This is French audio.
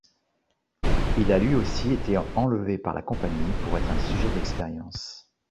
Il a lui aussi été enlevé par la Compagnie pour être un sujet d'expérience.